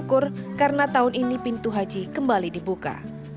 untuk haji kembali dibuka